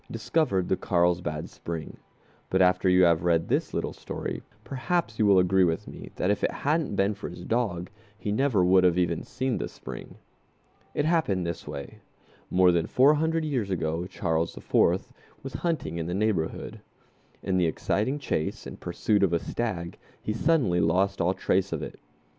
discovered the Carlsbad Spring, but after you have read this little history perhaps you will agree with me that if it hadn't been for his dog he never would have even seen the spring. It happened this way: More than four hundred years ago Charles IV. was hunting in the neighborhood. In the exciting chase and pursuit of a stag he suddenly lost all trace of it.